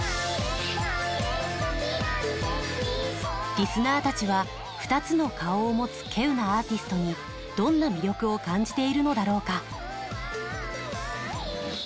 リスナーたちは２つの顔を持つ稀有なアーティストにどんな魅力を感じているのだろうか？